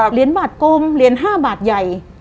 เหรียญบาทกลมเหรียญ๕บาทใหญ่